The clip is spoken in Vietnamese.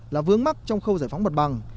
là vướng mắt trong khâu giải phóng bật bằng